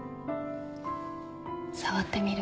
触ってみる？